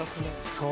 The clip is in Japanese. そう。